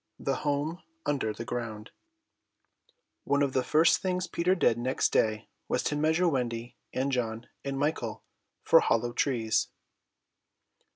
THE HOME UNDER THE GROUND One of the first things Peter did next day was to measure Wendy and John and Michael for hollow trees.